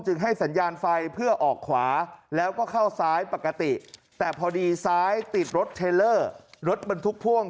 ให้สัญญาณไฟเพื่อออกขวาแล้วก็เข้าซ้ายปกติแต่พอดีซ้ายติดรถเทลเลอร์รถบรรทุกพ่วง